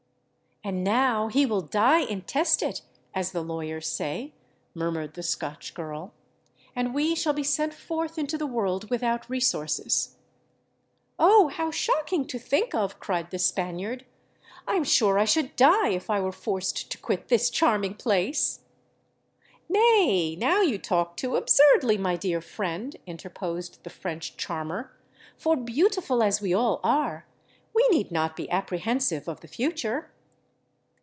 "And now he will die intestate, as the lawyers say," murmured the Scotch girl; "and we shall be sent forth into the world without resources." "Oh! how shocking to think of!" cried the Spaniard. "I am sure I should die if I were forced to quit this charming place." "Nay—now you talk too absurdly, my dear friend," interposed the French charmer; "for, beautiful as we all are, we need not be apprehensive of the future."